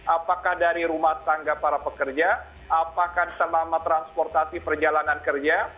apakah dari rumah tangga para pekerja apakah selama transportasi perjalanan kerja